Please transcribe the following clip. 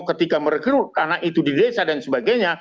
ketika merekrut anak itu di desa dan sebagainya